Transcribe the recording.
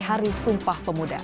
hari sumpah pemuda